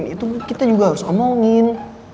itu kita juga harus omongin